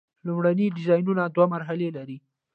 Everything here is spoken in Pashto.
لومړني ډیزاینونه دوه مرحلې لري.